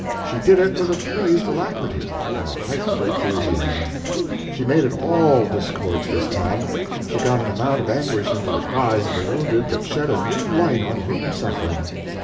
She did it with a pleased alacrity and a heightened enthusiasm. She made it ALL discords, this time. She got an amount of anguish into the cries of the wounded that shed a new light on human suffering.